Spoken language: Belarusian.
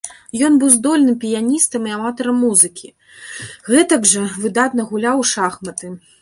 Ён быў здольным піяністам і аматарам музыкі, гэтак жа выдатна гуляў у шахматы.